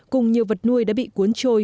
cùng nhiều vật nuôi đã bị cuốn trôi